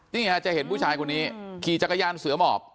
นี่ค่ะจะเห็นผู้ชายคนนี้ขี่จักรยานเสือหมอบ